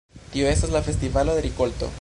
Tio estas la festivalo de rikolto.